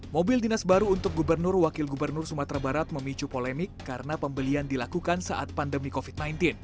mobil dinas baru untuk gubernur wakil gubernur sumatera barat memicu polemik karena pembelian dilakukan saat pandemi covid sembilan belas